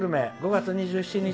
５月２７日